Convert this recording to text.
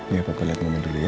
ya papa liat mama dulu ya